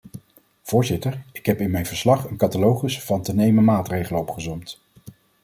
Voorzitter, ik heb in mijn verslag een catalogus van te nemen maatregelen opgesomd.